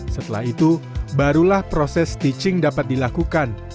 setelah itu barulah proses stitching dapat dilakukan